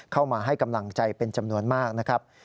เข้ามาให้กำลังใจเป็นจำนวนมากนะครับ